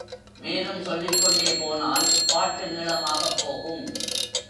மேலும் சொல்லிக்கொண்டே போனால் பாட்டு நீளமாகப் போகும்.